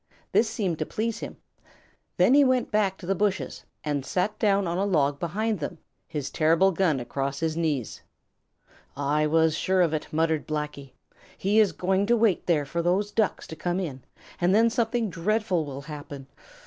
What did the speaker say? This seemed to please him. Then he went back to the bushes and sat down on a log behind them, his terrible gun across his knees. "I was sure of it," muttered Blacky. "He is going to wait there for those Ducks to come in, and then something dreadful will happen.